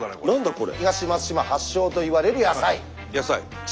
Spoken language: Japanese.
これ。